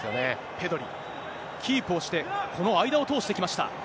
キープをして、この間を通してきました。